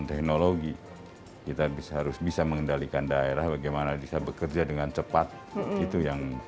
tali kita bisa harus bisa mengendalikan daerah bagaimana di spel bekerja dan cepat itu yang